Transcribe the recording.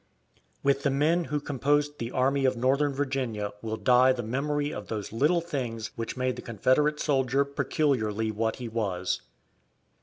With the men who composed the Army of Northern Virginia will die the memory of those little things which made the Confederate soldier peculiarly what he was.